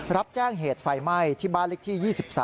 รับแจ้งเหตุไฟไหม้ที่บ้านเล็กที่๒๓